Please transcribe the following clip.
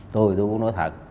tôi cũng nói thật